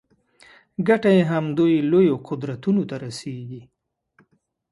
ګټه یې همدوی لویو قدرتونو ته رسېږي.